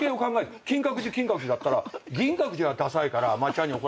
金閣寺金閣寺だったら銀閣寺はださいから松ちゃんに怒られる。